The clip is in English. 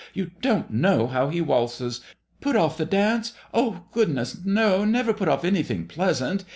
You don't know how he waltzes. Put off the dance? Oh, good ness! no. Never put off any thing pleasant.